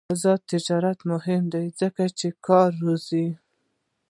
آزاد تجارت مهم دی ځکه چې کار روزي.